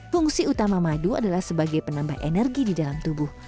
fungsi utama madu adalah sebagai penambah energi di dalam tubuh